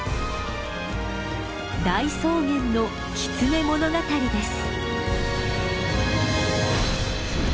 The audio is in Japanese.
大草原のキツネ物語です。